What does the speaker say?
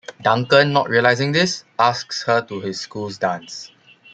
Duncan, not realizing this, asks her to his school's dance.